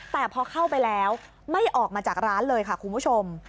แต่พอเข้าไปแล้วไม่ออกมาจากร้านเลยค่ะคุณผู้ชม